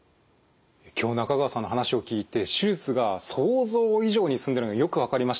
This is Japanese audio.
今日中川さんの話を聞いて手術が想像以上に進んでいるのがよく分かりました。